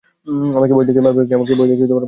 আমাকে ভয় দেখিয়ে মারবে নাকি?